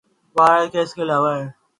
بھارت اس کے علاوہ ہے۔